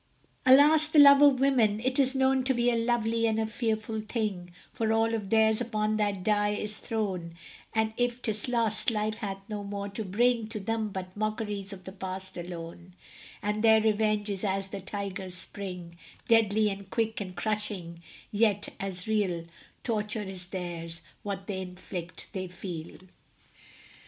Alas, the love of women! it is known To be a lovely and a fearful thing; For all of theirs upon that die is thrown, And if 'tis lost, life hath no more to bring To them but mockeries of the past alone, And their revenge is as the tiger's spring, Deadly and quick and crushing; yet as real Torture is theirs what they inflict they feel.